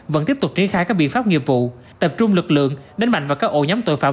vẫn tiếp tục triển khai các biện pháp nghiệp vụ tập trung lực lượng đánh mạnh vào các ổ nhóm tội phạm